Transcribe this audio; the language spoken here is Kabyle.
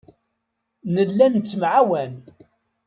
Nella nettemɛawan.